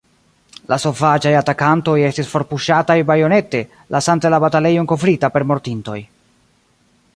La sovaĝaj atakantoj estis forpuŝataj bajonete, lasante la batalejon kovrita per mortintoj.